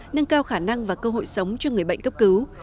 nâng cao khả năng và cơ hội sống cho người bệnh cấp cứu